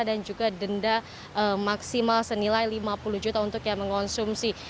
dan juga denda maksimal senilai lima puluh juta untuk yang mengonsumsi